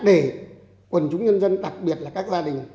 để quần chúng nhân dân đặc biệt là các gia đình